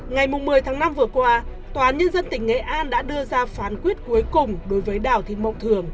ngày một mươi tháng năm vừa qua tòa án nhân dân tỉnh nghệ an đã đưa ra phán quyết cuối cùng đối với đào thị mộng thường